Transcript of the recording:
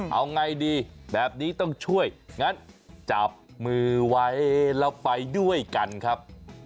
เอาไงดีแบบนี้ต้องช่วยงั้นจับมือไว้แล้วไปด้วยกันครับ